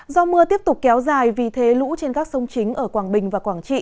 do mưa tiếp tục kéo dài vì thế lũ trên các sông chính ở quảng bình và quảng trị